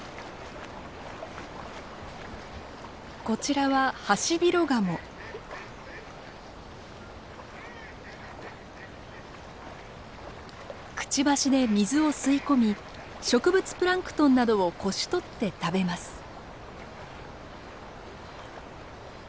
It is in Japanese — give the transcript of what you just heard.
こちらはくちばしで水を吸い込み植物プランクトンなどをこしとって食べます。